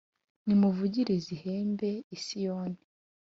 Nimuvugirize ihembe i Siyoni,